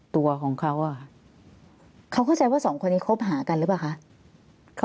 ตั้งแต่ที่แรก